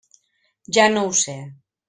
Ja no ho sé.